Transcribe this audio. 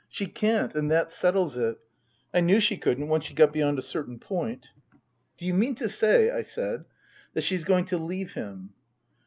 She can't, and that settles it. I knew she couldn't, once she got beyond a certain point." " Do you mean to say," I said, " that she's going to leave him